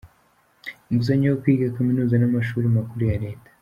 inguzanyo yo kwiga kaminuza n’amashuri makuru ya leta.